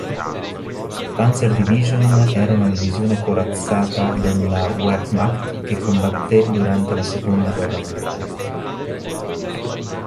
Panzer-Division era una divisione corazzata della Wehrmacht che combatté durante la seconda guerra mondiale.